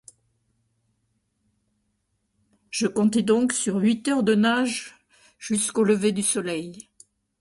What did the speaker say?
Je comptais donc sur huit heures de nage jusqu’au lever du soleil.